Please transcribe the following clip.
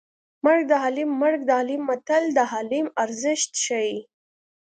مرګ د عالیم مرګ د عالیم متل د عالم ارزښت ښيي